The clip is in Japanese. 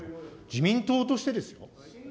自民党としてですよ。